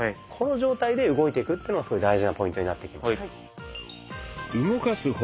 この状態で動いていくっていうのがすごい大事なポイントになってきます。